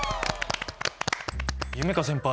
夢叶先輩